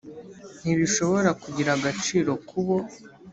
ntibishobora kugira agaciro ku bo